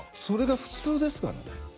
それが普通ですからね。